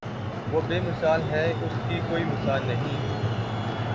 وہ بے مثال ہے اس کی کوئی مثال نہیں